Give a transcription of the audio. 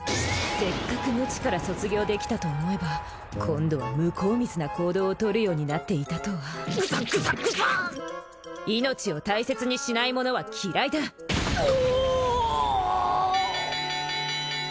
せっかく無知から卒業できたと思えば今度は向こう見ずな行動を取るようになっていたとはグサグサグサッ命を大切にしない者は嫌いだノ！